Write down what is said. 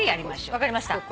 分かりました。